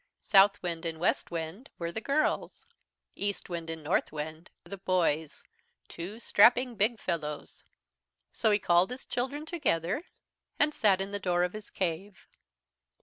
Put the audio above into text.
Southwind and Westwind were the girls, Eastwind and Northwind the boys, two strapping big fellows. "So he called his children together and sat in the door of his cave.